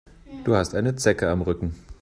Du hast eine Zecke am Rücken.